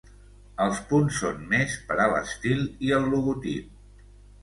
Els punts són més per a l'estil i el logotip.